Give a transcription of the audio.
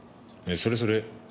それそれ。